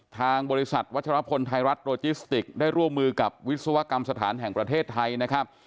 ทางบริษัทวัชรพลไทยรัฐโรจิสติกได้ร่วมมือกับวิศวกรรมสถานแห่งประเทศไทยนะครับ